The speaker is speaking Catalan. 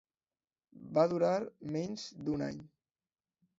Va durar menys d'un any.